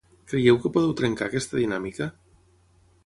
Creieu que podeu trencar aquesta dinàmica?